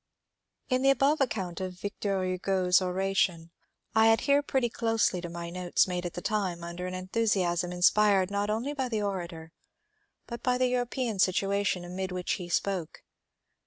In the above account of Victor Hugo^s oration I adhere pretty closely to my notes made at the time under an enthu siasm inspired not only by the orator but by the European situation amid which he spoke.